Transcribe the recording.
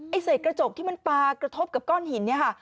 เศษกระจกที่มันปลากระทบกับก้อนหินเนี่ยค่ะ